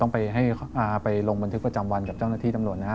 ไปลงบันทึกประจำวันกับเจ้าหน้าที่ตำรวจนะครับ